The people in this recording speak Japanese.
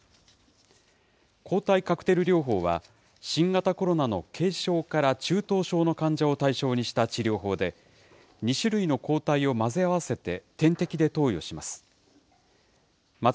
抗体カクテル療法は、新型コロナの軽症から中等症の患者を対象にした治療法で、２種類の抗体を混ぜ合わせて、点滴で投与します。